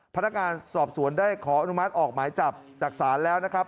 พนักงานสอบสวนได้ขออนุมัติออกหมายจับจากศาลแล้วนะครับ